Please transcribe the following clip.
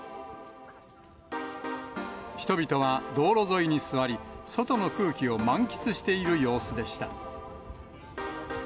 人々は道路沿いに座り、外の空気を満喫している様子でした。